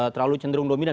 terlalu cenderung dominan